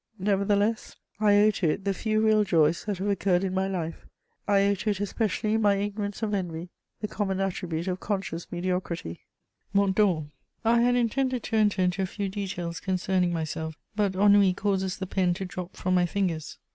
Nevertheless, I owe to it the few real joys that have occurred in my life; I owe to it especially my ignorance of envy, the common attribute of conscious mediocrity." "MONT DORE. "I had intended to enter into a few details concerning myself, but ennui causes the pen to drop from my fingers.